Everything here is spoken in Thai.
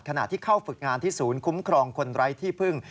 ขณะที่เข้าฝึกงานที่ศูนย์คุ้มครองคนไร้ที่พึ่ง